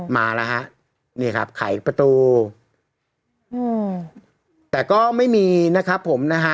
มาแล้วฮะนี่ครับไขประตูอืมแต่ก็ไม่มีนะครับผมนะฮะ